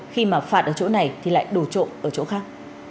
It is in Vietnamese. khi mà phạt ở chỗ này thì lại đổ trộm ở chỗ khác